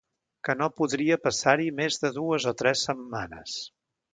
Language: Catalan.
Que no podria passar-hi més de dues o tres setmanes.